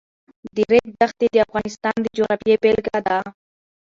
د ریګ دښتې د افغانستان د جغرافیې بېلګه ده.